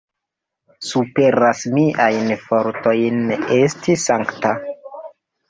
Superas miajn fortojn esti sankta.